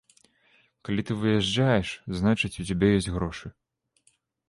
Калі ты выязджаеш, значыць, у цябе ёсць грошы.